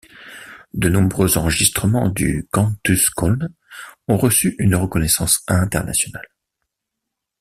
De nombreux enregistrements du Cantus Cölln, ont reçu une reconnaissance internationale.